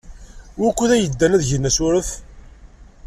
Wukud ay ddan ad gen asurf?